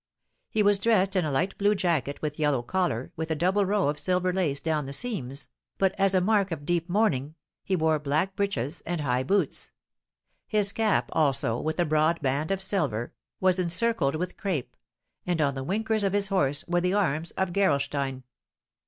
He was dressed in a light blue jacket with yellow collar, with a double row of silver lace down the seams, but, as a mark of deep mourning, he wore black breeches and high boots; his cap also, with a broad band of silver, was encircled with crape, and on the winkers of his horse were the arms of Gerolstein.